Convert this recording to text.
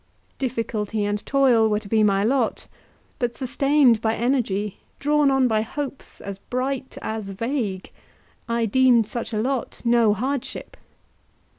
Difficulty and toil were to be my lot, but sustained by energy, drawn on by hopes as bright as vague, I deemed such a lot no hardship.